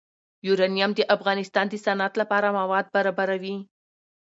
یورانیم د افغانستان د صنعت لپاره مواد برابروي.